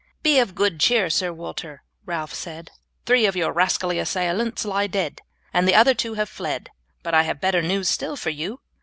"Be of good cheer, Sir Walter," Ralph said; "three of your rascally assailants lie dead, and the other two have fled; but I have better news still for you.